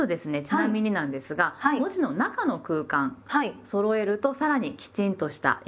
ちなみになんですが文字の中の空間そろえるとさらにきちんとした印象になります。